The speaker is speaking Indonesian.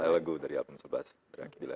lagu dari album sebelas berakhir